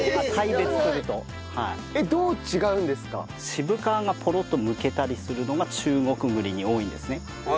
渋皮がポロッと剥けたりするのが中国栗に多いんですね。